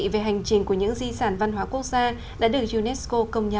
về hành trình của những di sản văn hóa quốc gia đã được unesco công nhận